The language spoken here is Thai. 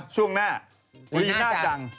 ช่วงหน้าลีน่าจัง